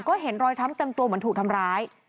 ก็เห็นรอยช้ำเต็มตัวเหมือนถูกทำร้าย